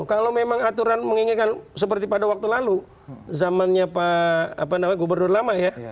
kalau memang aturan menginginkan seperti pada waktu lalu zamannya pak gubernur lama ya